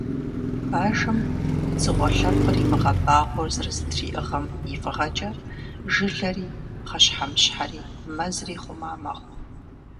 Бажэм дзыгъуэ лъэпкъыр имыгъэбагъуэу зэрызэтриӏыгъэм и фӏыгъэкӏэ, жылэри, пхъэщхьэмыщхьэри, мэзри хъума мэхъу.